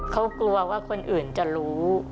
เขากลัวว่าคนอื่นจะรู้